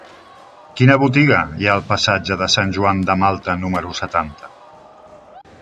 Quina botiga hi ha al passatge de Sant Joan de Malta número setanta?